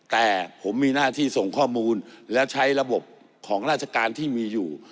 แต่ผมมีหน้าที่ส่งข้อมูลและใช้ระบบของราชการที่มีอยู่